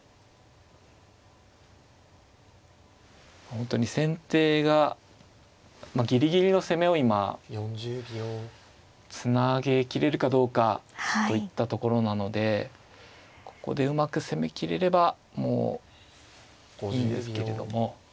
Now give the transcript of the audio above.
本当に先手がギリギリの攻めを今つなげきれるかどうかといったところなのでここでうまく攻めきれればもういいんですけれども。